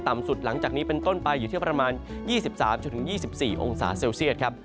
สุดหลังจากนี้เป็นต้นไปอยู่ที่ประมาณ๒๓๒๔องศาเซลเซียตครับ